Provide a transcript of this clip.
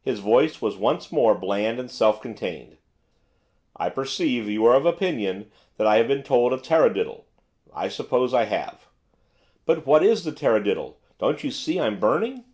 His voice was once more bland and self contained. 'I perceive you are of opinion that I have been told a taradiddle. I suppose I have.' 'But what is the tarradiddle? don't you see I'm burning?